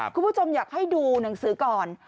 คุณผู้ชมอยากให้ดูหนังสือก่อน